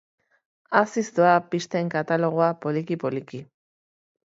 Haziz doa pisten katalogoa poliki-poliki.